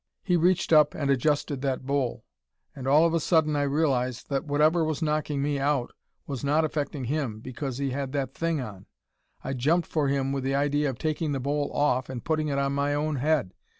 He reached up and adjusted that bowl, and all of a sudden I realized that whatever was knocking me out was not affecting him because he had that thing on. I jumped for him with the idea of taking the bowl off and putting it on my own head.